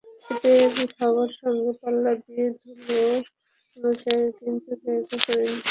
শীতের হাওয়ার সঙ্গে পাল্লা দিয়ে ধুলোও কিন্তু জায়গা করে নিচ্ছে আপনার চারপাশে।